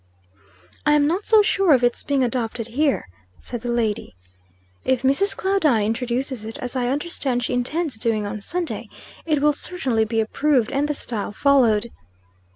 "I am not so sure of its being adopted here," said the lady. "If Mrs. Claudine introduces it, as I understand she intends doing on Sunday, it will certainly be approved and the style followed."